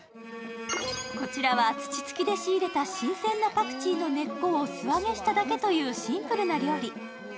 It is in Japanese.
こちらは土付きで仕入れた新鮮なパクチーの根っこを素揚げしただけというシンプルな料理。